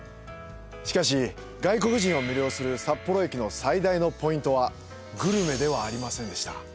しかし、外国人を魅了する札幌駅の最大のポイントはグルメではありませんでした。